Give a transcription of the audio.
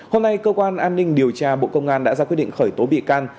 hôm nay cơ quan an ninh điều tra bộ công an đã ra quyết định khởi tố bị can